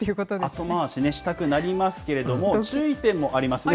後回しにしたくなりますけれども、注意点もありますね。